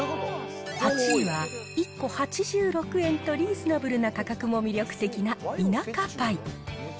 ８位は、１個８６円とリーズナブルな価格も魅力的な田舎パイ。